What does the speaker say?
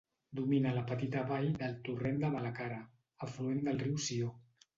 Domina la petita vall del torrent de Malacara, afluent del riu Sió.